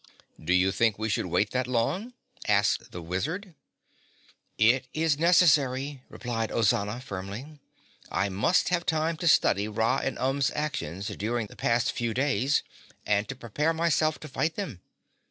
"Do you think we should wait that long?" asked the Wizard. "It is necessary," replied Ozana firmly. "I must have time to study Ra and Umb's actions during the past few days and to prepare myself to fight them.